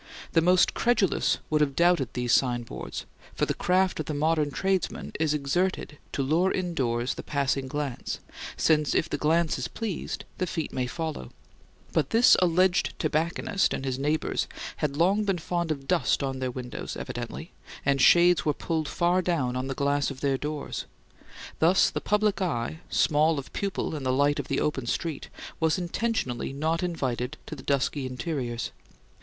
The most credulous would have doubted these signboards; for the craft of the modern tradesman is exerted to lure indoors the passing glance, since if the glance is pleased the feet may follow; but this alleged tobacconist and his neighbours had long been fond of dust on their windows, evidently, and shades were pulled far down on the glass of their doors. Thus the public eye, small of pupil in the light of the open street, was intentionally not invited to the dusky interiors.